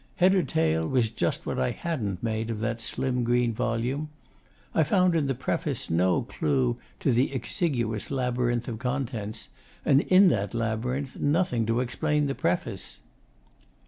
Head or tail was just what I hadn't made of that slim green volume. I found in the preface no clue to the exiguous labyrinth of contents, and in that labyrinth nothing to explain the preface.